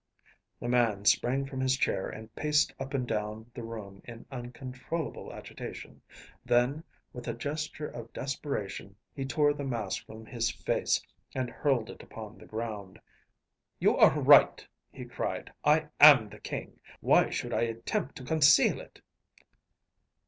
‚ÄĚ The man sprang from his chair and paced up and down the room in uncontrollable agitation. Then, with a gesture of desperation, he tore the mask from his face and hurled it upon the ground. “You are right,‚ÄĚ he cried; “I am the King. Why should I attempt to conceal it?